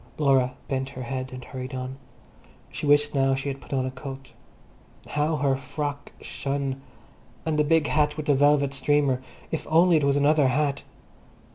Laura bent her head and hurried on. She wished now she had put on a coat. How her frock shone! And the big hat with the velvet streamer—if only it was another hat!